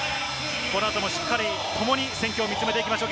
この後もしっかりともに戦況を見つめていきましょう。